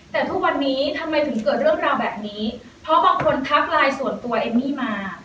แต่ทุกวันนี้ทำไมถึงเกิดเรื่องราวแบบนี้เพราะบางคนทักไลน์ส่วนตัวเอมมี่มา